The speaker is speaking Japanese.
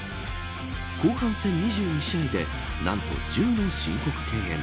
後半戦２２試合でなんと１０の申告敬遠。